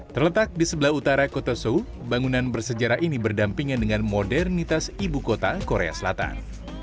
terletak di sebelah utara kota seoul bangunan bersejarah ini berdampingan dengan modernitas ibu kota korea selatan